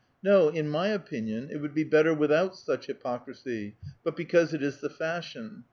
No, in my opinion it would be better with out such hypocrisy, but because it is the fashion.